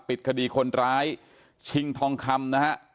ปิดคดีคนร้ายชิงทองคำนะฮะ